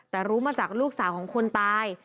แต่รู้มาจากลูกสาวของคนตาย